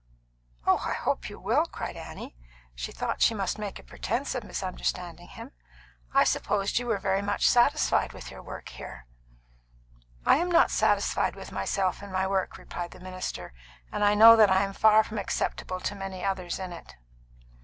"Oh, I hope you will," cried Annie. She thought she must make a pretence of misunderstanding him. "I supposed you were very much satisfied with your work here." "I am not satisfied with myself in my work," replied the minister; "and I know that I am far from acceptable to many others in it."